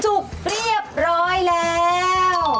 เรียบร้อยแล้ว